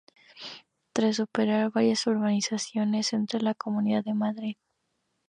Tras superar varias urbanizaciones, entra en la Comunidad de Madrid.